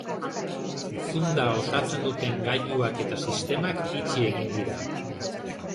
Zunda osatzen duten gailuak eta sistemak itxi egin dira.